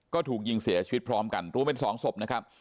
ก็ถูกยิงเสียชีวิตพร้อมกันรวมเป็น๒ศพนะครับ